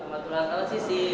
selamat ulang tahun sisi